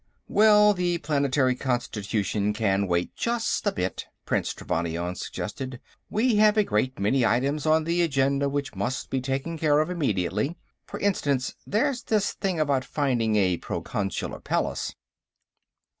"Well, the planetary constitution can wait just a bit," Prince Trevannion suggested. "We have a great many items on the agenda which must be taken care of immediately. For instance, there's this thing about finding a proconsular palace...."